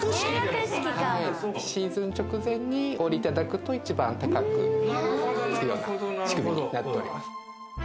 シーズン直前にお売りいただくと一番高くつくような仕組みになっております。